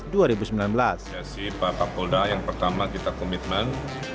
terima kasih pak pak polda yang pertama kita komitmen